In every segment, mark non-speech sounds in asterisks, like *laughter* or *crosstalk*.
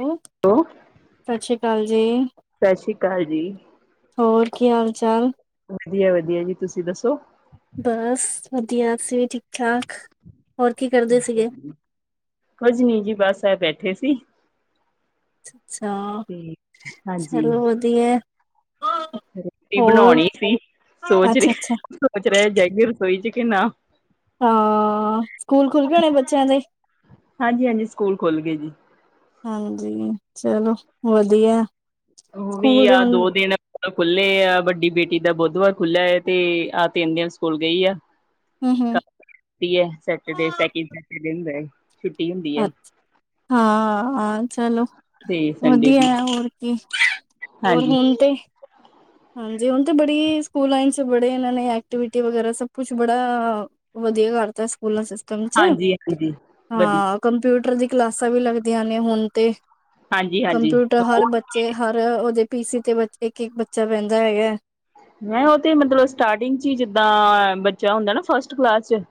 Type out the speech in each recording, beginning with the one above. ਹੁ ਹੈੋ। ਸਤਿ ਸ਼੍ਰੀ ਅਕਾਲ ਜੀ। ਸਤਿ ਸ਼੍ਰੀ ਅਕਾਲ ਜੀ। ਹੋਰ, ਕੀ ਹਾਲ ਚਾਲ? ਵਧੀਆ, ਵਧੀਆ ਜੀ ਤੁਸੀਂ ਦੱਸੋ? ਬਸ ਵਧੀਆ, ਅਸੀਂ ਵੀ ਠੀਕ, ਠਾਕ ਹੋਰ ਕੀ ਕਰ ਠੀਕ ਹੈ ਜ ਕੁੱਝ ਨੀ ਜੀ ਬਸ ਆ ਬੈਠੇ ਸੀ। ਅੱਛਾ ਤੇ ਹਾਂਜੀ, ਚਲੋ ਵਧੀਆ। ਰੋਟੀ ਹੋਰ ਬਣਾਉਣੀ ਸੀ ਸੋਚ ਰਹੀ ਅੱਛਾ ਅੱਛਾ ਸੋਚ ਰਹਾ ਜਾਗੀ ਰਸੋਈ ਚ ਕਿ ਨਾ। ਹਾਂ ਸਕੂਲ ਖੁੱਲ ਗਣੇ ਬੱਚਿਆਂ ਦੇ ਹਾਂਜੀ ਹਾਂਜੀ ਸਕੂਲ ਖੁੱਲ ਗਏ ਜੀ। ਹਾਂਜੀ ਚਲੋ ਵਧੀਆ। ਵੀ ਸਕੂਲ ਦੇ ਆ ਹੁਣ ਦੋ ਦਿਨ ਖੁੱਲੇ ਆ ਵੱਡੀ ਬੇਟੀ ਦਾ ਬੁੱਧਵਾਰ ਖੁੱਲਿਆ ਹੈ ਤੇ ਆਹ ਤਨ ਦਿਨ ਸਕੂਲ ਗਈ ਆ। ਹਮ ਹਮ ਹੁੰਦੀ ਏ ਸੇਚਰਡੇ ਸੈਕਿੰਡ ਸੇਚਰਡੇ ਹੁੰਦਾ ਛੁੱਟੀ ਹੁੰਦੀ ਹੈ। ਅੱ ਹਾਂ ਹਾਂ ਚਲੋ ਤੇ ਸੰਡੇ ਵਧੀਆ ਦੀ ਹੋਰ ਕੀ ਹੋਰ ਹਾਂਜੀ, ਹੁਣ ਤੇ ਹਾਂਜੀ ਹੁਣ ਤੇ ਬੜੀ ਸਕੂਲ ਚ ਬੜੇ ਇਹਨਾਂ ਨੇ ਐਕਟੀਵਿਟੀ ਵਗੈਰਾ ਸਭ ਕੁਛ ਬੜਾ ਵਧੀਆ ਕਰਤਾ ਸਕੂਲਾਂ ਸਿਸਟਮ ਚ ਹਾਂਜੀ ਹਾਂਜੀ ਵਧੀਆ ਹਾਂ ਕੰਪਿਊਟਰ ਦੀ ਕਲਾਸਾਂ ਵੀ ਲੱਗਦੀਆਂ ਨੇ ਹੁਣ ਤੇ ਹਾਂਜੀ ਹਾਂਜੀ। ਕੰਪਿਊਟਰ ਹਰ ਉਹ ਬੱਚ ਹਰ ਉਹਦੇ ਪੀ ਸੀ ਤੇ ਇੱਕ, ਇੱਕ ਬੱਚਾ ਬਹਿੰਦਾ ਹੈਗਾ। ਮੈਂ ਉਹ ਤੇ ਮਤਲਬ ਸਟਾਰਟਿੰਗ ਚ ਹੀ ਜਿੱਦਾਂ ਬੱਚਾ ਹੁੰਦਾ ਨਾ ਫਸਟ ਕਲਾਸ ਚ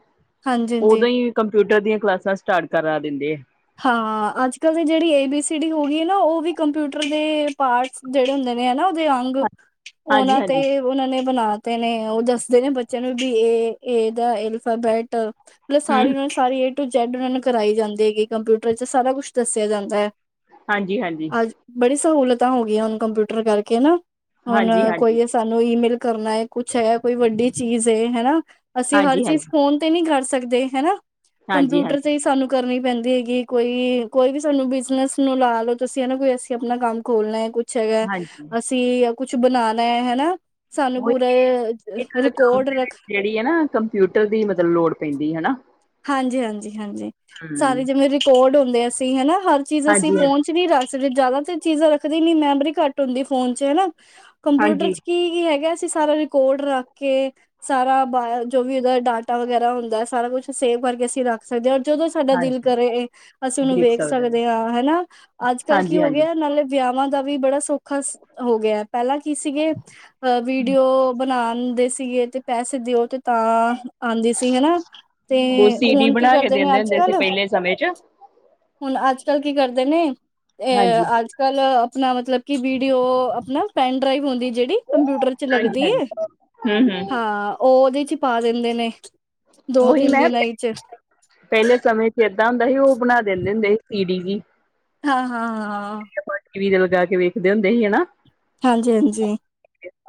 ਹਾਂਜੀ ਹਾਂਜੀ ਉਦੋਂ ਹੀ ਕੰਪਿਊਟਰ ਦੀਆਂ ਕਲਾਸਾਂ ਸਟਾਰਟ ਕਰਾ ਦਿੰਦੇ। ਹਾਂ ਅੱਜ ਕੱਲ੍ਹ ਦੇ ਜਿਹੜੀ ਏ ਬੀ ਸੀ ਡੀ ਹੋ ਗਈਏ ਨਾ ਉਹ ਵੀ ਕੰਪਿਊਟਰ ਦੇ ਪਾਰਟਸ ਜਿਹੜੇ ਹੁੰਦੇ ਨੇ ਹਨਾ ਉਹਦੇ ਅੰਗ ਹਾਂਜੀ ਉਹਨਾਂ ਤੇ ਹਾਂਜੀ ਉਹਨਾਂ ਨੇ ਬਣਾ ਤੇ ਨੇ ਉਹ ਦੱਸਦੇ ਨੇ ਬੱਚਿਆਂ ਨੂੰ ਵੀ ਇਹ ਇਹਦਾ ਅਲਫਾਬੈਟ ਮਤਲਬ ਸਾਰੀ ਹਮ ਉਹਨਾਂ ਨੂੰ ਸਾਰੀ ਏ ਟੂ ਜੈੱਡ ਉਹਨਾਂ ਨੂੰ ਕਰਵਾ ਜਾਂਦੀ ਹੈਗੀ ਕੰਪਿਊਟਰ ਚ ਸਾਰਾ ਕੁਛ ਦੱਸਿਆ ਜਾਂਦਾ ਹੈ। ਹਾਂਜੀ, ਹਾਂਜੀ। ਅੱਜ ਬੜੀ ਸਹੂਲਤਾਂ ਹੋ ਗਈਆਂ ਹੁਣ ਕੰਪਿਊਟਰ ਕਰਕੇ ਹਨਾ ਹੁਣ ਹਾਂਜੀ ਹਾਂਜੀ ਕੋਈ ਸਾਨੂੰ ਈਮੇਲ ਕਰਨਾ ਹੈ ਕੁਛ ਹੈ ਕੋਈ ਵੱਡੀ ਚੀਜ਼ ਏ ਹਨਾ ਅਸੀਂ ਹਰ ਹਾਂਜੀ ਹਾਂਜੀ ਚੀਜ਼ ਫੋਨ ਤੇ ਨਹੀਂ ਕਰ ਸਕਦੇ ਹਨਾ ਹਾਂਜੀ ਕੰਪਿਊਟਰ ਹਾਂਜੀ ਤੇ ਹੀ ਸਾਨੂੰ ਕਰਨੀ ਪੈਂਦੀ। ਕਿ ਕੋਈ, ਕੋਈ ਵੀ ਸਾਨੂੰ ਬਿਜਨਸ ਨੂੰ ਲਾ ਲਓ ਤੁਸੀਂ ਹਨ ਨਾ ਕੋਈ ਅਸੀਂ ਆਪਣਾ ਕੰਮ ਖੋਲਣਾ ਹੈ ਕੁ ਅੱਛਾ ਹੈਗਾ ਹਾਂਜੀ ਅਸੀਂ ਕੁਛ ਬਣਾ ਲ ਹੈ ਹਨਾ ਸਾਨੂੰ ਉਹੀ ਪੂਰਾ ਇੱਕ ਕੰਮ ਰਿਕਾਰਡ ਦੇ ਰੱਖ ਵਿੱਚ ਜਿਹੜੀ ਹੈ ਨਾ ਕੰਪਿਊਟਰ ਦੀ ਮਤਲਬ ਲੋੜ ਪੈਂਦੀ ਹਨਾ ਹਾਂਜੀ, ਹਾਂਜੀ, ਹਾਂਜੀ ਹਮ ਸਾਰੇ ਜਿਵੇਂ ਰਿਕੋਰਡ ਹੁੰਦੇ ਅਸੀਂ ਹਨਾ ਹਰ ਚੀਜ਼ ਅਸੀਂ ਹਾਂਜੀ ਹਾਂਜੀ ਫੋਨ ਚ ਵੀ ਰੱਖ ਜਿਆਦਾ ਤੇ ਚੀਜ਼ਾਂ ਰੱਖਦੀ ਨੀ ਮੈਮੋਰੀ ਘਟ ਹੁੰਦੀ ਫੋਨ ਚ ਹਨਾ ਕੰਪਿਊਟਰ ਹਾਂਜੀ ਚ ਕੀ ਕੀ ਹੈਗਾ ਅਸੀਂ ਸਾਰਾ ਰਿਕਾਰਡ ਰੱਖ ਕੇ ਸਾਰਾ ਬ ਜੋ ਵੀ ਉਹਦਾ ਡਾਟਾ ਵਗੈਰਾ ਹੁੰਦਾ ਸਾਰਾ ਕੁਛ ਸੇਵ ਕਰਕੇ ਅਸੀਂ ਰੱਖ ਸਕਦੇ ਹਾਂ। ਜਦੋਂ ਸਾਡਾ ਦਿਲ ਹਾਂਜੀ ਕਰੇ ਅਸੀਂ ਉਹਨੂੰ ਦੇਖ ਵੇਖ ਨੇ ਸਕਦੇ ਹਾਂ ਹਨਾ ਅੱਜ ਕੱਲ੍ਹ ਕੀ ਹਾਂਜੀ ਹੋ ਹਾਂਜੀ ਗਿਆ ਨਾਲੇ ਵਿਆਹਵਾਂ ਦਾ ਵੀ ਬੜਾ ਸੌਖਾ ਹੋ ਗਿਆ ਪਹਿਲਾਂ ਕੀ ਸੀਗੇ ਵੀਡੀਓ ਬਣਾਉਂਦੇ ਸੀਗੇ, ਤੇ ਪੈਸੇ ਦਿਓ ਤੇ ਤਾਂ ਆਉਂਦੀ ਸੀ ਹਨਾ। ਤੇ ਉਹ ਸੀਡੀ ਹੁਣ ਕੀ ਬਣਾ ਕੇ ਕਰਦੇ ਨੇ ਦਿੰਦੇ ਅੱਜ ਹੁੰਦੇ ਸੀ ਕੱਲ ਪਹਿਲੇ ਸਮੇਂ ਚ ਹੁਣ ਅੱਜ ਕੱਲ੍ਹ ਕੀ ਕਰਦੇ ਨੇ ਹਾਂਜੀ ਅ ਅੱਜ ਕੱਲ ਆਪਣਾ ਮਤਲਬ ਕਿ ਵੀਡੀਓ ਆਪਣਾ ਪੈਨ ਡਰਾਈਵ ਹੁੰਦੀ ਜਿਹੜੀ ਕੰਪਿਊਟਰ ਚ ਹਾਂਜੀ ਲੱਗਦੀ ਹਾਂਜੀ ਹੈ ਹਮ ਹਮ ਹਾਂ। ਉਹ ਉਹਦੇ ਚ ਪਾ ਦਿੰਦੇ ਨੇ ਦੋ ਉਹੀ ਤਿੰਨ ਮੈਂ ਦਿਨਾਂ ਵਿਚ ਪਹਿਲੇ ਸਮੇਂ ਚ ਏਦਾਂ ਹੁੰਦਾ ਸੀ, ਉਹ ਬਣਾ ਦਿੰਦੇ ਹੁੰਦੇ ਸੀ ਪੀਡੀ ਜੀ ਹਾਂ, ਹਾਂ, ਹਾਂ ਟੀ ਵੀ ਜਦੋਂ ਜਾ ਕੇ ਵੇਖਦੇ ਹੁੰਦੇ ਸੀ ਹਨਾ। ਹਾਂਜੀ, ਹਾਂਜੀ।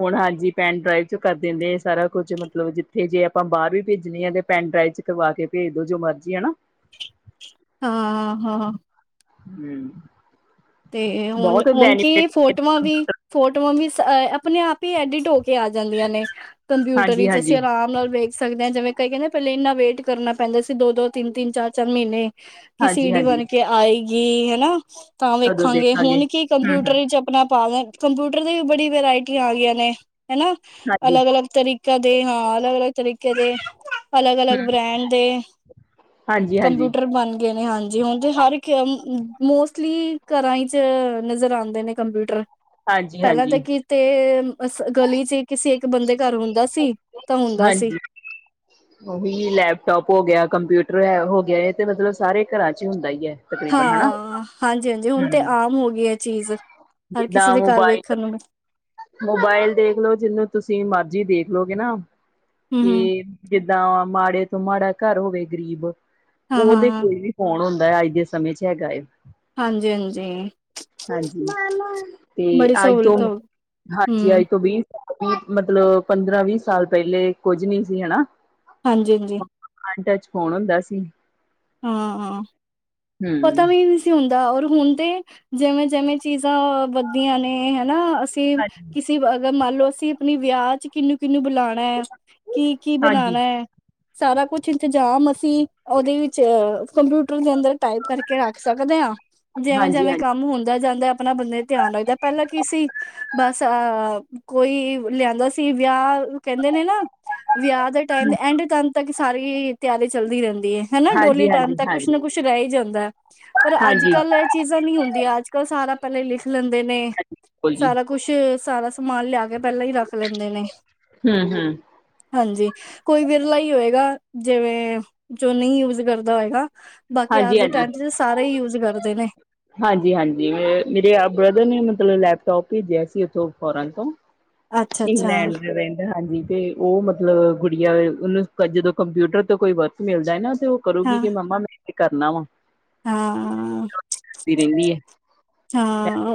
ਹੁਣ ਹਾਂਜੀ, ਪੈਨ ਡਰਾਈਵ ਚ ਕਰ ਦਿੰਦੇ ਆ ਸਾਰਾ ਕੁੱਝ ਮਤਲਬ ਜਿੱਥੇ ਜੇ ਆਪਾਂ ਬਾਹਰ ਵੀ ਭੇਜਣੀ ਆ, ਤੇ ਪੈਨ ਡਰਾਈਵ ਚ ਕਰਵਾ ਕੇ ਭੇਜ ਦੋ ਜੋ ਮਰਜ਼ੀ ਹਨਾ। ਹਾਂ, ਹਾਂ ਹੂੰ ਤੇ ਹੁਣ, ਹੁਣ ਕੀ ਫੋਟੋਆਂ ਵੀ ਫੋਟੋਆਂ ਵੀ ਆਪਣੇ ਆਪ ਹੀ ਐਡਿਟ ਹੋ ਕੇ ਆ ਜਾਂਦੀਆਂ ਨੇ। ਕੰਪਿਊਟਰ ਹਾਂਜੀ ਵਿੱਚ ਅਸੀਂ ਹਾਂਜੀ ਆਰਾਮ ਨਾਲ ਵੇਖ ਸਕਦੇ ਹਾਂ ਜਿਵੇ ਕਈ ਕਹਿੰਦੇ ਪਹਿਲੇ ਇੰਨਾ ਵੇਟ ਕਰਨਾ ਪੈਂਦਾ ਸੀ ਦੋ-ਦੋ, ਤਿੰਨ-ਤਿੰਨ, ਚਾਰ-ਚਾਰ ਮਹੀਨੇ ਕਿ ਸੀ ਹਾਂਜੀ ਡੀ ਹਾਂਜੀ ਬਣ ਕੇ ਆਏਗੀ ਹਨਾ ਤਾਂ ਕਦੋਂ ਵੇਖਾਂਗੇ ਦੇਖਾਂਗੇ ਹੁਣ ਕੀ ਹੂੰ ਕੰਪਿਊਟਰ ਹੂੰ ਵਿੱਚ ਆਪਣਾ ਪਾ ਦ ਕੰਪਿਊਟਰ ਦੀ ਵੀ ਬੜੀ ਵਰਾਇਟੀਆਂ ਆ ਗਈਆਂ ਨੇ ਹਨਾ, ਹਾਂਜੀ ਅਲੱਗ ਅਲੱਗ ਤਰੀਕੇ ਹਾਲ ਅਲੱਗ ਅਲਗ ਤਰੀਕੇ ਦੇ *unintelligible* ਅਲੱਗ ਹੂੰ ਅਲਗ ਬ੍ਰੈਂਡ ਦੇ ਹਾਂਜੀ ਹਾਂਜੀ ਕੰਪਿਊਟਰ ਬਣ ਗਏ ਨੇ ਹਾਂਜੀ ਹੁਣ ਤੇ ਹਰ ਮੋਸਟਲੀ ਘਰਾਂ ਚ ਨਜ਼ਰ ਆਉਂਦੇ ਨੇ ਕੰਪਿਊਟਰ ਹਾਂਜੀ ਪਹਿਲਾਂ ਤਾਂ ਹਾਂਜੀ ਕੀਤੇ ਅ ਸ ਗਲੀ ਚ ਹੀ ਕਿਸੇ ਇੱਕ ਬੰਦੇ ਘਰ ਹੁੰਦਾ ਸੀ। ਤਾਂ ਹੁੰਦਾ ਸੀ। ਹਾਂਜੀ ਉਹੀ ਲੈਪਟੋਪ ਹੋ ਗਿਆ, ਕੰਪਿਊਟਰ ਹੋ ਗਿਆ ਇਹ ਤੇ ਮਤਲਬ ਸਾਰੇ ਘਰਾਂ ਚ ਹੀ ਹੁੰਦਾ ਹੀ ਹੈ। ਤਕਰੀਬਨ ਹਨਾ ਹਾਂ, ਹਾਂਜੀ ਹਾਂਜੀ ਹੁਣ ਤੇ ਹੂੰ ਆਮ ਹੋ ਗਈ ਇਹ ਚੀਜ਼ ਹਰ ਕਿਸੇ ਜਿੱਦਾਂ ਦੇ ਘਰ ਮੋਬਾਇਲ ਵੇਖਣ ਨੂੰ ਮ ਮੋਬਾਇਲ ਦੇਖਲੋ ਜਿਹਨੂੰ ਤੁਸੀਂ ਮਰਜ਼ੀ ਦੇਖਲੋਗੇ ਨਾ ਹਮ ਹਮ ਕਿ ਜਿੱਦਾਂ ਮਾੜੇ ਤੋਂ ਮਾੜਾ ਘਰ ਹੋਵੇ ਗਰੀਬ ਹਾਂ ਹਾਂ ਉਹਦੇ ਹਾਂ ਕੋਲ ਵੀ ਫੋਨ ਹੁੰਦਾ ਹੈ, ਅੱਜ ਦੇ ਸਮੇਂ ਚ ਹੈਗਾ ਏ। ਹਾਂਜੀ, ਹਾਂਜੀ। ਹਾਂਜੀ ਤੇ ਬੜੀ ਅੱਜ ਤੋਂ ਸਹੂਲਤ ਹੋ ਹਾਂਜੀ ਹਮ ਆਈ। ਵੀਹ, ਵੀਹ ਮਤਲਬ ਪੰਦਰਾਂ ਵੀਹ ਸਾਲ ਪਹਿਲੇ ਕੁੱਝ ਨਹੀਂ ਸੀ ਹਨਾ। ਹਾਂਜੀ, ਹਾਂਜੀ। ਅਨ ਟਚ ਫੋਨ ਹੁੰਦਾ ਸੀ। ਹਾਂ ਹਾਂ ਪਤਾ ਹਮ ਵੀ ਨਹੀਂ ਸੀ‌ ਹੁੰਦਾ, ਔਰ ਹੁਣ ਤੇ ਜਿਵੇਂ ਜਿਵੇਂ ਚੀਜ਼ਾਂ ਵੱਧਦੀਆਂ ਨੇ ਹਨਾ ਅਸੀਂ ਕਿਸੇ ਤੇ ਅਗਰ ਮੰਨ ਲਓ ਅਸੀਂ ਆਪਣੇ ਵਿਆਹ ਚ ਕਿੰਨੂੰ-ਕਿੰਨੂੰ ਬੁਲਾਉਣਾ ਹੈ, ਕੀ ਕੀ ਹਾਂਜੀ ਹਾਂਜੀ ਬਣਾਣਾ ਹੈ। ਸਾਰਾ ਕੁਛ ਇੰਤਜ਼ਾਮ ਅਸੀਂ ਤੇ ਅ ਕੰਪਿਊਟਰ ਦੇ ਅੰਦਰ ਟਾਈਪ ਕਰਕੇ ਰੱਖ ਸਕਦੇ ਆ, ਜਿਵੇਂ ਹਾਂਜੀ ਜਿਵੇਂ ਕੰਮ ਹੁੰਦਾ ਜਾਂਦਾ ਆਪਣਾ ਬੰਦੇ ਧਿਆਨ ਰੱਖਦਾ ਪਹਿਲਾਂ ਕੀ ਸੀ ਬਸ ਅਹ ਕੋਈ ਲਿਆਂਦਾ ਸੀ ਵਿਆਹ ਕਹਿੰਦੇ ਨੇ ਨਾ ਵਿਆਹ ਦੇ ਟਾਈਮ ਐਂਡ ਟਮ ਤੱਕ ਸਾਰੀ ਤਿਆਰੀ ਚੱਲਦੀ ਰਹਿੰਦੀ ਹੈ। ਹਨਾ ਡੋਲੀ ਹਾਂਜੀ ਟਾਈਮ ਹਾਂਜੀ ਤਾਂ ਕੁਛ ਹਾਂਜੀ ਨਾ ਕੁਛ ਰਹਿ ਹੀ ਜਾਂਦਾ, ਪਰ ਅੱਜ ਹਾਂਜੀ ਹਾਂਜੀ, ਕੱਲ ਚੀਜ਼ਾਂ ਨੀ ਹੁੰਦੀਆਂ ਅੱਜ ਕੱਲ ਸਾਰਾ ਪਹਿਲੇ ਲਿਖ ਲੈਂਦੇ ਨੇ ਬਿਲਕੁਲ ਜੀ ਸਾਰਾ ਕੁਛ ਸਾਰਾ ਸਮਾਨ ਲਿਆ ਕੇ ਪਹਿਲਾਂ ਹੀ ਰੱਖ ਲੈਂਦੇ ਨੇ। ਹਮ ਹਮ ਹਾਂਜੀ, ਕੋਈ ਵਿਰਲਾ ਹੀ ਹੋਏਗਾ ਜਿਵੇਂ ਜੋ ਨਹੀਂ ਯੂਜ ਕਰਦਾ ਹੋਏਗਾ। ਬਾਕੀ ਅੱਜ ਹਾਂਜੀ ਦੇ ਹਾਂਜੀ ਟਾਈਮ ਚ ਸਾਰੇ ਹੀ ਯੂਜ ਕਰਦੇ ਨੇ। ਹਾਂਜੀ ਹਾਂਜੀ, ਮੇਰੇ ਆਪ ਬ੍ਰਦਰ ਨੇ ਮਤਲਬ ਲੈਪਟੋਪ ਭੇਜਿਆ ਸੀ ਉੱਥੋਂ, ਫੋਰਨ ਤੋਂ ਅੱਛਾ ਅੱਛਾ ਇੰਗਲੈਂਡ ਜੌ ਰਹਿੰਦਾ ਹਾਂਜੀ ਤੇ ਉਹ ਮਤਲਬ ਗੁੜੀਆਂ ਉਹਨੂੰ ਜਦੋਂ ਕੰਪਿਊਟਰ ਤੋਂ ਕੋਈ ਵਰਕ ਮਿਲਦਾ ਹੈ ਨਾ ਤੇ ਉਹ ਕਰੂਗੀ ਕਿ ਮੰਮਾ ਮੈਂ ਇਹ ਕਰਨਾ ਵਾ। ਹਾਂ-ਹਾਂ ਕਰਦੀ ਰਹਿੰਦੀ ਹੈ।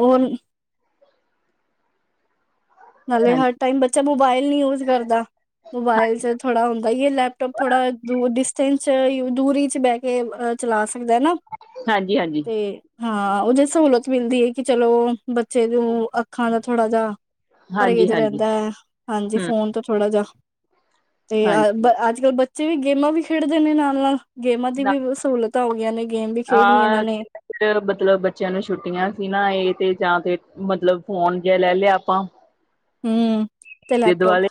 ਉਹ ਨਾਲੇ ਹਰ ਹਾਂਜੀ, ਟਾਈਮ ਬੱਚਾ ਮੋਬਾਇਲ ਨੀ ਯੂਜ ਕਰਦਾ ਮੋਬਾਇਲ ਚ ਥੋੜਾ ਹੁੰਦਾ ਏ ਲੈਪਟੋਪ ਥੋੜਾ ਦ ਡਿਸਟੈਂਸ ਚ ਦੂਰੀ ਚ ਬੈ ਕੇ ਅ ਚਲਾ ਸਕਦਾ ਨਾ ਹਾਂਜੀ-ਹਾਂਜੀ। ਤੇ ਹਾਂ ਉਹ ਜੇ ਸਹੂਲਤ ਮਿਲਦੀ ਹੈ ਕਿ ਚਲੋ ਬੱਚੇ ਨੂੰ ਅੱਖਾਂ ਦਾ ਥੋੜਾ ਜਿਹਾ ਪਰਹੇਜ਼ ਹਾਂਜੀ-ਹਾਂਜੀ ਰਹਿੰਦਾ ਹੈ ਹਾਂਜੀ ਹੂੰ ਫੋਨ ਤੋਂ ਥੋੜਾ ਜਾ ਤੇ ਹਾਂਜੀ। ਅ ਹਮ ਅੱਜ ਕੱਲ੍ਹ ਜੇ ਵੀ ਗੇਮਾਂ ਵੀ ਖੇਡਦੇ ਨੇ ਨਾਲ-ਨਾਲ ਗੇਮਾਂ ਦੀ ਹਾਂਜੀ ਵੀ ਸਹੂਲਤਾਂ ਹੋ ਗਈਆਂ ਨੇ ਗੇਮ ਵੀ ਖੇਡਣੀ ਇਹਨਾਂ ਆ ਨੇ। ਮਤਲਬ ਬੱਚਿਆਂ ਨੂੰ ਛੁੱਟੀਆਂ ਸੀ ਨਾ ਇਹ ਤੇ ਜਾਂ ਤੇ ਮਤਲਬ ਫੋਨ ਜ ਲੈ ਲਿਆ ਆਪਾਂ। ਹਮ ਤੇ ਇਹਦੇ ਲੈਪਟੋਪ। ਦੁਆਲੇ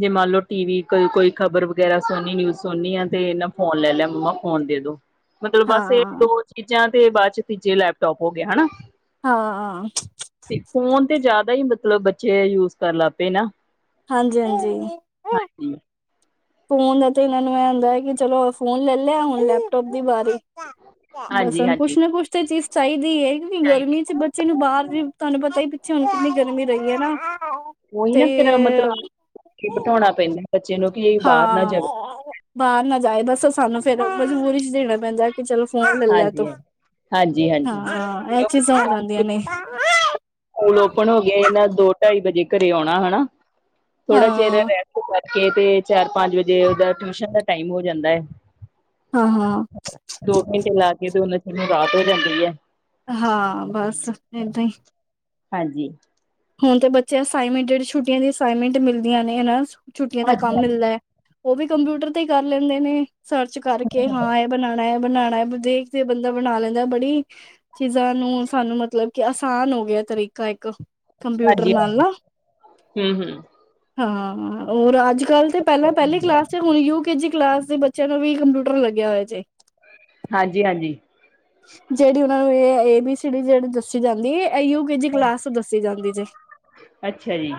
ਜੇ ਮੰਨ ਲਓ ਟੀ ਵੀ ਕੋ ਕੋਈ ਖ਼ਬਰ ਵਗੈਰਾ ਸੁਣਨੀ ਨਿਊਜ਼ ਸੁਣਨੀ ਆ ਤੇ ਇਹਨਾਂ ਫੋਨ ਲੈ ਲਿਆ ਮੰਮਾ ਫੋਨ ਦੇ ਦੋ ਮਤਲਬ ਬਸ ਇਹ ਹਾਂ ਦੋ ਚੀਜ਼ਾਂ ਤੇ ਬਾਅਦ ਚ ਤੀਜੇ ਲੈਪਟੋਪ ਹੋ ਗਿਆ ਹੈਨਾ। ਹਾਂ ਤੇ ਫੋਨ ਤੇ ਜ਼ਿਆਦਾ ਹੀ ਮਤਲਬ ਬੱਚੇ ਯੂਜ ਕਰਨ ਲੱਗ ਪਏ ਨਾ ਹਾਂਜੀ-ਹਾਂਜੀ ਹਾਂਜੀ। ਫੋਨ ਦਾ ਤੇ ਇਹਨਾਂ ਨੂੰ ਇਹ ਹੁੰਂਦਾ ਹੈ ਕਿ, ਚਲੋ ਫੋਨ ਲੈ ਲਿਆ ਹੁਣ ਲੈਪਟੋਪ ਦੀ ਵਾਰੀ *unintelligible* ਬਸ ਹਾਂਜੀ ਹੁੂੰਨ ਹਾਂਜੀ ਕੁਛ ਨਾ ਕੁਛ ਤਾਂ ਇਹ ਚੀਜ਼ ਚਾਹੀਦੀ ਹੈ, ਕਿਉਂਕਿ ਚਾਹੀਦੀ ਗਰਮੀ ਚ ਬ ਬੱਚੇ ਨੂੰ ਬਾਹਰ ਵੀ ਤੁਹਾਨੂੰ ਪਤਾ ਹੀ ਪਿੱਛੇ ਹੁਣ ਕਿੰਨੀ ਗਰਮੀ ਰਹੀ ਹੈ ਨਾ। ਉਹੀ ਤੇ ਨਾ ਫੇਰ ਮਤਲਬ ਬਿਠਾਉਣਾ ਪੈਂਦਾ ਬੱਚੇ ਨੂੰ ਕਿ ਬਾਹਰ ਨਾ ਹਾਂ ਜਵੇ। ਬਾਹਰ ਨਾ ਜਾਏ ਬੱਸ ਸਾਨੂੰ ਫੇਿਰ ਮਜਬੂਰੀ ਚ ਦੇਣਾ ਪੈਂਦਾ ਕਿ ਚਲੋ ਫੋਨ ਲੈ ਲੈ ਹਾਂਜੀ ਤੂੰ ਹਾਂਜੀ ਹਾਂਜੀ ਹਾਂਜੀ ਹਾਂ ਇਹ ਚੀਜ਼ਾਂ ਹੋ ਜਾਂਦੀਆਂ ਨੇ ਸਕੂਲ ਓਪਨ ਹੋ ਗਏ ਇਹਨਾਂ ਦੋ ਢਾਈ ਵਜੇ ਘਰੇ ਆਉਣਾ ਹੈਨਾ ਥੋੜਾ ਚਿਰ ਹਾਂ ਰਹਿ ਬਚੇੱ ਤੇ ਚਾਰ ਪੰਜ ਵਜੇ ਉਹਦਾ ਟਿਊਸ਼ਨ ਦਾ ਟਾਈਮ ਹੋ ਜਾਂਦਾ ਏ ਹਾਂ ਹਾਂ ਦੋ ਘੰਟੇ ਲਾ ਕੇ ਤੇ ਉਹਨਾਂ ਚਿਰ ਨੂੰ ਰਾਤ ਹੋ ਜਾਂਦੀ ਐ ਹਾਂ ਬਸ ਏਦਾਂ ਹੀ ਹਾਂਜੀ ਹੁਣ ਤੇ ਬੱਚੇ ਅਸਾਈਨਮੈਂਟ ਜਿਹ ਛੁਟੀਆਂ ਦੀ ਅਸਾਈਨਮੈਂਟ ਮਿਲਦੀਆਂ ਨੇ ਨਾ ਛੁੱਟੀਆਂ ਦਾ ਹਾਂਜੀ, ਕੰਮ ਮਿਲਦਾ ਐ ਉਹ ਵੀ ਕੰਪਿਊਟਰ ਤੇ ਕਰ ਲੈਂਦੇ ਨੇ ਸਰਚ ਕਰਕੇ ਹਾਂ ਬਣਾਉਣਾ ਹੈ ਬਣਾਉਣਾ ਦੇਖਦੇ ਬੰਦਾ ਬਣਾ ਲੈਂਦਾ ਬੜੀ ਚੀਜ਼ਾਂ ਨੂੰ ਸਾਨੂੰ ਮਤਲਬ ਕਿ ਆਸਾਨ ਹੋ ਗਿਆ ਤਰੀਕਾ ਇੱਕ ਕ ਕੰਪਊਟਰ ਹਾਂਜੀ, ਨਾਲ ਣਾ ਹੂੰ, ਹੂੰ। ਹਾਂ ਹੋਰ ਅੱਜ ਕੱਲ੍ਹ ਤੇ ਪਹਿਲਾਂ ਪਹਿਲੀ ਕਲਾਸ ਤੇ ਹੁਣ ਯੂਕੇ ਜੀ ਕਲਾਸ ਦੇ ਚਲੋ ਵੀ ਕੰਪਿਊਟਰ ਲੱਗਿਆ ਹੋਇਆ ਜੇ ਹਾਂਜੀ-ਹਾਂਜੀ ਜਿਹੜੀ ਉਹਨਾ ਨੂੰ ਇਹ ਏ ਬੀ ਸੀ ਜਿਹੜੀ ਦੱਸੀ ਜਾਂਦੀ ਐ ਯੂ ਕੇ ਜੀ ਕਲਾਸ ਦੱਸੀ ਜਾਂਦੀ ਜੇ ਅੱਛਾ ਜੀ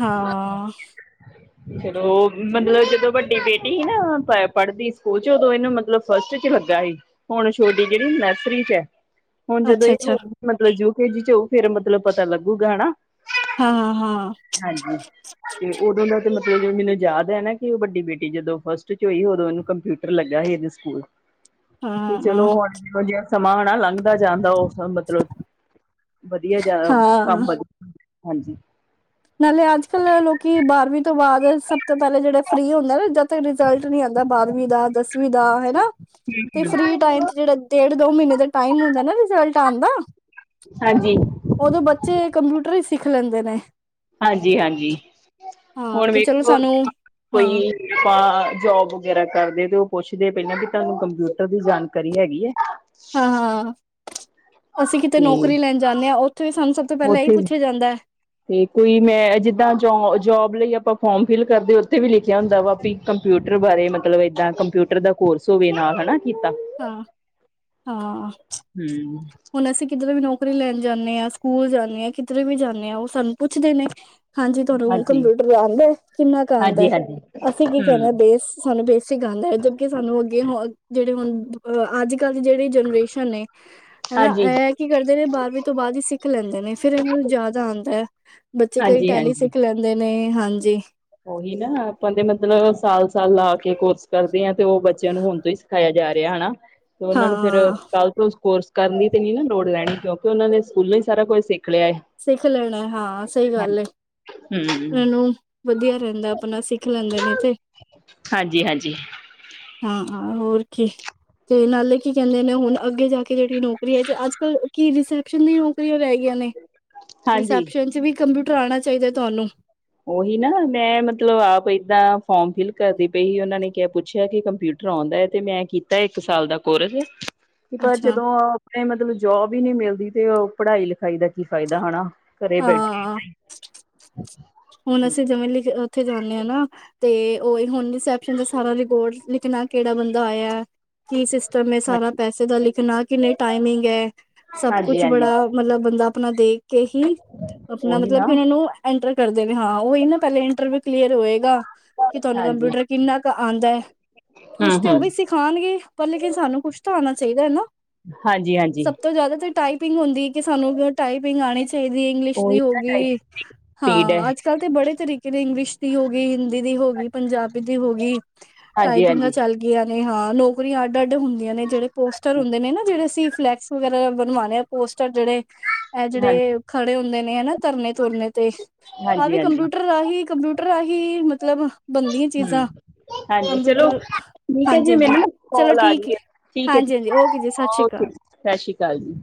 ਹਾਂ *unintelligible* ਹੈਲੋ ਮਤਲਬ ਜਦੋਂ ਵੱਡੀ ਬੇਟੀ ਸੀ ਨਾ ਪੜ੍ਹਦੀ ਸਕੂਲ ਚ ਉਦੋਂ ਇਹਨੂੰ ਮਤਲਬ ਫਸਟ ਚ ਲੱਗਾ ਸੀ ਹੁਣ ਛੋਟੀ ਜਿਹੜੀ ਨਰਸਰੀ ਚ ਹੈ ਹੁਣ ਜਦੋਂ ਅੱਛਾ ਇਹ ਅੱਛਾ ਹੋਊਗੀ ਮਤਲਬ ਯੂ ਕੇ ਜੀ ਚ ਹੋਉ ਫੇਿਰ ਮਤਲਬ ਪਤਾ ਲੱਗੂਗਾ ਹੈਨਾ ਹਾਂ-ਹਾਂ ਹਾਂਜੀ ਤੇ ਉਦੋਂ ਦਾ ਤਾਂ ਮਤਲਬ ਜ ਮੈਨੂੰ ਯਾਦ ਹੈ ਨਾ ਕਿ ਉਹ ਵੱਡੀ ਬੇਟੀ ਜਦੋਂ ਫਸਟ ਚ ਹੋਈ ਉਦੋਂ ਉਹਨੂੰ ਕੰਪਿਊਟਰ ਲੱਗਾ ਸੀ ਇਹਦੇ ਸਕੂਲ ਹਾਂ ਤੇ ਹਾਂ ਹਾਂ ਚਲੋ ਹੁਣ ਜਿ ਜਿਹਾ ਸਮਾਂ ਹੈਣਾ ਲੰਘਦਾ ਜਾਂਦਾ ਉਹ ਮਤਲਬ ਵਧੀਆ ਜਾ ਹਾਂ ਕੰਮ ਵਧੀਆ ਹਾਂਜੀ ਨਾਲੇ ਅੱਜ ਕਲ ਲੋਕੀ ਬਾਰਵੀਂ ਤੋਂ ਬਾਅਦ ਸਭ ਤੋਂ ਪਹਿਲਾਂ ਜਿਹੜਾ ਫ੍ਰਰੀ ਹੁੰਦਾ ਨਾ ਜਦ ਰਿਜਲਟ ਨੀ ਆਂਦਾ ਬਾਰਵੀ ਦਾ ਦਸਵੀ ਦਾ ਹੈਨਾ ਤੇ ਫਰੀ ਹਾਂਜੀ, ਟਾਇਮ ਚ ਜੇੜੇ ਡੇਢ ਦੋ ਮਹੀਨੇ ਦਾ ਟਾਈਮ ਹੁੰਦਾ ਨਾ ਰਿਜ਼ਲਟ ਆਉਣ ਦਾ ਹਾਂਜੀ ਉਦੋਂ ਬੱਚੇ ਕੰਪਿਊਟਰ ਹੀ ਸਿੱਖ ਲੈਂਦੇ ਨੇ। ਹਾਂਜੀ ਹਾਂਜੀ ਹਾਂ ਹੁਣ ਕਿ ਚਲੋ ਵੇਖੋ ਸਾਨੂੰ ਹਾਂ ਕੋਈ। ਆਪਾਂ ਜੋਬ ਵਗੈਰਾ ਕਰਦੇ ਤੇ ਉਹ ਪੁੱਛਦੇ ਪਹਿਲਾਂ ਵੀ ਤੁਹਾਨੂੰ ਕੰਪਿਊਟਰ ਦੀ ਜਾਣਕਾਰੀ ਹੈਗੀ ਏ। ਹਾਂ ਹਾਂ। ਅਸੀਂ ਕਿਤੇ ਤੇ ਨੌਕਰੀ ਲੈਣ ਜਾਂਦੇ ਹਾਂ ਉੱਥੇ ਵੀ ਸਾਨੂੰ ਸਭ ਤੋਂ ਪਹਿਲਾਂ ਇਹੀ ਉੱਥੇ ਪੁੱਛਿਆ ਜਾਂਦਾ ਏ। ਤੇ ਕੋਈ ਮੈਂ ਜਿੱਦਾਂ ਜੋ ਜੋਬ ਲਈ ਆਪਾਂ ਫੋਰਮ ਫਿਲ ਕਰਦੇ ਉੱਥੇ ਵੀ ਲਿਖਿਆ ਹੁੰਦਾ ਵਾ ਹੈ ਵੀ ਕੰਪਿਊਟਰ ਬਾਰੇ ਮਤਲਬ ਏਦਾਂ ਕੰਪਿਊਟਰ ਦਾ ਕੋਰਸ ਹੋਵੇ ਨਾਲ ਹਨਾ ਕੀਤਾ। ਹਾਂ ਹਾਂ! *unintelligible* ਹੂੰ ਹੁਣ ਅਸੀਂ ਕਿਧਰ ਵੀ ਨੌਕਰੀ ਲੈਣ ਜਾਂਦੇ ਹਾਂ, ਸਕੂਲ ਜਾਂਦੇ ਹਾਂ, ਕਿਧਰੇ ਵੀ ਜਾਂਦੇ ਹਾਂ, ਉਹ ਸਾਨੂੰ ਪੁੱਛਦੇ ਨੇ! ਹਾਂਜੀ ਤੁਹਾਨੂੰ ਹਾਂਜੀ, ਹਾਂਜੀ, ਕੰਪਿਊਟਰ ਆਉਂਦਾ ਹੈ ਕਿੰਨਾ ਕੁ ਆਉਂਦਾ ਹਾਂਜੀ ਹੈ ਅਸੀਂ ਕੀ ਹੂੰ ਕਹਿਦੇ ਹ ਬੇਸ ਸਾਨੂੰ ਬੇਸਿਕ ਆਉਂਦਾ ਹੈ ਜਦਕਿ ਸਾਨੂੰ ਅੱਗੇ ਜਿਹੜੇ ਹੁਣ ਬ ਅੱਜ ਕੱਲ੍ਹ ਦੀ ਜਿਹੜੀ ਜਨਰੇਸ਼ਨ ਏ ਹਨਾ ਹਾਂਜੀ, ਇਹ ਕੀ ਕਰਦੇ ਨੇ ਬਾਰਵੀਂ ਤੋਂ ਬਾਅਦ ਹੀ ਸਿੱਖ ਲੈਂਦੇ ਨੇ ਫਿਰ ਇਹਨਾਂ ਨੂੰ ਜ਼ਿਆਦਾ ਆਉਂਦਾ ਹੈ। ਬੱਚੇ ਕਈ ਹਾਂਜੀ, ਟੈਲੀ ਹਾਂਜੀ। ਸਿੱਖ ਲੈਂਦੇ ਨੇ ਹਾਂਜੀ! ਉਹੀ ਨਾ ਆਪਾਂ ਦੇ ਮਤਲਬ ਸਾਲ-ਸਾਲ ਲਾ ਕੇ ਕੋਰਸ ਕਰਦੇ ਹਾਂ ਤੇ ਉਹ ਬੱਚਿਆਂ ਨੂੰ ਹੁਣ ਤੋਂ ਹੀ ਸਿਖਾਇਆ ਜਾ ਰਿਹਾ ਹੈਨਾ ਤੇ ਉਹਨਾਂ ਨੂੰ ਫੇਿਰ ਹਾਂ ਕੱਲ ਤੋਂ ਉਸ ਕੋਰਸ ਕਰਨ ਦੀ ਤੇ ਨੀ ਨਾ ਲੋੜ ਲੈਣੀ ਕਿਉਂਕਿ ਉਹਨਾਂ ਨੇ ਸਕੂਲਾਂ ਹੀ ਸਾਰਾ ਕੁਝ ਸਿੱਖ ਲਿਆ ਹੈ। ਸਿੱਖ ਲੈਣਾ ਹਾਂ ਸਹੀ ਗੱਲ ਹੈ! ਹਮ ਇਹਨੂੰ ਵਧੀਆ ਰਹਿੰਦਾ ਆਪਣਾ ਸਿੱਖ ਲੈਂਦੇ ਨੇ ਤੇ ਹਾਂਜੀ-ਹਾਂਜੀ, ਹਾਂ ਹੋਰ ਕੀ। ਤੇ ਨਾਲੇ ਕੀ ਕਹਿੰਦੇ ਨੇ ਹੁਣ ਅੱਗੇ ਜਾ ਕੇ ਜਿਹੜੀ ਨੌਕਰੀ ਹੈ ਤੇ ਅੱਜ ਕੱਲ੍ਹ ਕੀ ਰਿਸੈਪਸ਼ਨ ਦੀ ਓ ਰਹਿ ਗਈਆਂ ਨੇ ਹਾਂਜੀ। ਰਿਸੈਪਸ਼ਨ ਚ ਵੀ ਕੰਪਿਊਟਰ ਆਉਣਾ ਚਾਹੀਦਾ ਤੁਹਾਨੂੰ! ਉਹੀ ਨਾ ਮੈਂ ਮਤਲਬ ਆਪ ਏਦਾਂ। ਫੋਰਮ ਫਿਲ ਕਰਦੀ ਪਈ ਸੀ ਉਹਨਾਂ ਨੇ ਕਿਹਾ ਪੁੱਛਿਆ ਕਿ ਕੰਪਿਊਟਰ ਆਉਂਦਾ ਹੈ ਤੇ ਮੈਂ ਕੀਤਾ ਇੱਕ ਸਾਲ ਦਾ ਕੋਰਸ। ਕਿ ਪਰ ਅੱਛਾ ਜਦੋਂ ਆਪਣੇ ਮਤਲਬ ਜੋਬ ਹੀ ਨਹੀਂ ਮਿਲਦੀ ਤੇ ਪੜ੍ਹਾਈ ਲਿਖਾਈ ਦਾ ਕੀ ਫਾਇਦਾ ਹਨਾਂ। ਘਰੇ ਬੈਠੇ ਹਾਂ ਏਦਾ ਹੀ ਹੁਣ ਅਸੀਂ ਜਿਵੇਂ ਲਿਖ ਉੱਥੇ ਜਾਂਦੇ ਹਾਂ ਨਾ ਤੇ ਉਹੀ ਹੁਣ ਦਾ ਸਾਰਾ ਰਿਕਾਰਡ ਲਿਖਣਾ ਕਿਹੜਾ ਬੰਦਾ ਆਇਆ। ਕੀ ਸਿਸਟਮ ਹੈ ਸਾਰਾ ਪੈਸੇ ਦਾ ਲਿਖਣਾ ਕਿੰਨੀ ਟਾਈਮਿੰਗ ਹੈ। ਸਭ ਕੁਛ ਹਾਂਜੀ-ਹਾਂਜੀ। ਬੜਾ ਮਤਲਬ ਬੰਦਾ ਆਪਣਾ ਦੇਖ ਕੇ ਹੀ ਆਪਣਾ ਉਹੀ ਮਤਲਬ ਨਾ ਕਿ ਉਹਨਾਂ ਨੂੰ ਇਂਟਰ ਕਰਦੇ ਨੇ ਹਾਂ ਉਹੀ ਨਾ ਪਹਿਲੇ ਇੰਟਰਵਿਊ ਕਲੀਅਰ ਹੋਏਗਾ। ਕਿ ਤੁਹਾਨੂੰ ਹਾਂਜੀ ਕੰਪਿਊਟਰ ਕਿੰਨਾ ਕੁ ਆਉਂਦਾ ਹੈ ਹੂੰ ਕੁਛ ਤੇ ਉਹ ਹੂੰ ਵੀ ਸਿੱਖ ਖਾਣਗੇ ਪਰ ਲੇਕਿਨ ਸਾਨੂੰ ਕੁਛ ਤਾਂ ਆਉਣਾ ਚਾਹੀਦਾ ਹੈ ਨਾ ਹਾਂਜੀ ਹਾਂਜੀ ਸਭ ਤੋਂ ਜ਼ਿਆਦਾ ਤਾਂ ਟਾਈਪ ਪਿੰਗ ਹੁੰਦੀ ਕਿ ਸਾਨੂੰ ਟਾਈਪਿੰਗ ਆਉਣੀ ਚਾਹੀਦੀ ਹੈ ਇੰਗਲਿਸ਼ ਉਹੀ ਦੀ ਹੋ ਨਾ ਗਈ। ਟਾਈਪਿੰਗ ਸਪੀਡ ਹੈ ਹਾਂ ਅੱਜ ਕੱਲ੍ਹ ਤੇ ਬੜੇ ਤਰੀਕੇ ਨੇ ਇੰਗਲਿਸ਼ ਦੀ ਹੋ ਗਈ, ਹਿੰਦੀ ਦੀ ਹੋ ਗਈ! ਪੰਜਾਬੀ ਦੀ ਹੋ ਗਈ ਹਾਂਜੀ ਟਾਈਪਿੰਗਾਂ ਹਾਂਜੀ ਚੱਲ ਗਈਆਂ ਨੇ ਹਾਂ ਨੌਕਰੀਆਂ ਅੱਡ ਅੱਡ ਹੁੰਦੀਆਂ ਨੇ, ਜਿਹੜੇ ਪੋਸਟਰ ਹੁੰਦੇ ਨੇ ਨਾ ਜਿਹੜੇ ਅਸੀਂ ਫਲੈਕਸ ਵਗੈਰਾ ਬਣਵਾਉਣੇ ਆ ਪੋਸਟਰ ਜਿਹੜੇ ਇਹ ਹਾਂਜੀ ਜਿਹੜੇ ਖੜੇ ਹੁੰਦੇ ਨੇ ਹਨਾ ਧਰਨੇ ਧੁਰਨੇ ਤੇ ਆਹ ਹਾਂਜੀ ਵੀ ਹਾਂਜੀ ਕੰਪਿਊਟਰ ਰਾਹੀਂ ਕੰਪਿਊਟਰ ਰਾਹੀਂ ਮਤਲਬ ਬਣਦੀਆਂ ਹੂੰ ਚੀਜ਼ਾਂ। ਹਾਂਜੀ ਚਲੋ ਕੰਪਿਊਟਰ ਠੀਕ ਹੈ ਹਾਂਜੀ ਜੀ ਹਾਂਜੀ ਮੈਨੂੰ ਨਾ ਚਲੋ ਕਾਲ ਆ ਠੀਕ ਹੈ। ਗਈ ਠੀਕ ਹੈ ਜੀ ਹਾਂਜੀ ਹਾਂਜੀ ਓਕੇ ਜੀ ਸਤਿ ਸ਼੍ਰੀ ਅਕਾਲ! ਓਕੇ ਸਤਿ ਸ੍ਰੀ ਅਕਾਲ ਜੀ।